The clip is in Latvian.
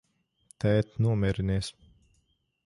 Tēt, nomierinies!